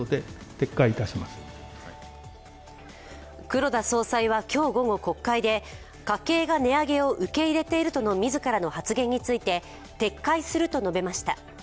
黒田総裁は今日午後、国会で家計が値上げを受け入れているとの自らの発言について撤回すると述べました。